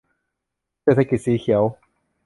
เศรษฐกิจสีเขียว